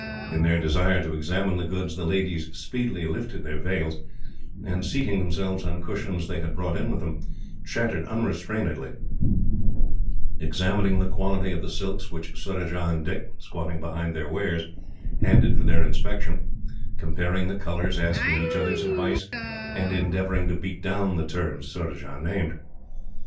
In their desire to examine the goods, the ladies speedily lifted their veils, and, seating themselves on cushions they had brought in with them, chattered unrestrainedly; examining the quality of the silks which Surajah and Dick, squatting behind their wares, handed for their inspection; comparing the colours, asking each other's advice, and endeavouring to beat down the terms Surajah named.